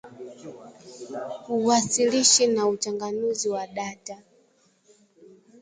Uwasilishi na uchanganuzi wa data